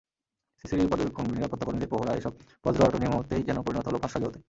সিসিটিভির পর্যবেক্ষণ, নিরাপত্তাকর্মীদের প্রহরা—এসব বজ্র আঁটুনি মুহূর্তেই যেন পরিণত হলো ফসকা গেরোতে।